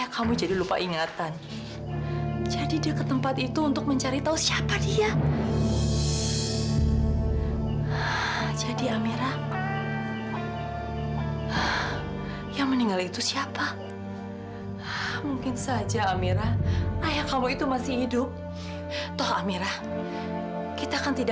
sampai jumpa di video selanjutnya